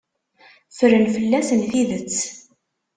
Ffren fell-asen tidet.